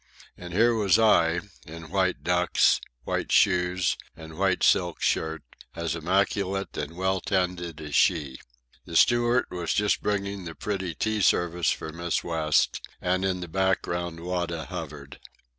And here was I, in white ducks, white shoes, and white silk shirt, as immaculate and well tended as she. The steward was just bringing the pretty tea service for Miss West, and in the background Wada hovered.